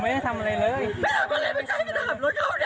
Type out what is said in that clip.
มันคงอัดอันมาหลายเรื่องนะมันเลยระเบิดออกมามีทั้งคำสลัดอะไรทั้งเต็มไปหมดเลยฮะ